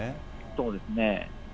そうですね。